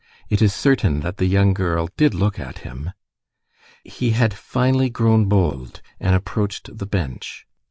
It is certain that the young girl did look at him. He had finally grown bold, and approached the bench.